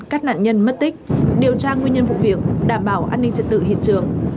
các nạn nhân mất tích điều tra nguyên nhân vụ việc đảm bảo an ninh trật tự hiện trường